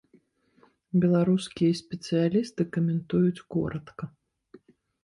Беларускія спецыялісты каментуюць коратка.